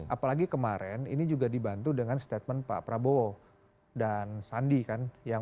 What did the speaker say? apalagi kemarin ini juga dibantu dengan statement pak prabowo dan sandi kan